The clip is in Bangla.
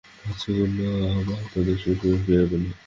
বাচ্চাগুলো আবার তাদের শৈশব ফিরে পেলো।